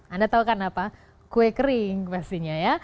anda tahu kan apa kue kering pastinya ya